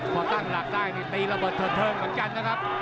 พอตั้งหลักได้นี่ตีระเบิดเถิดเทิงเหมือนกันนะครับ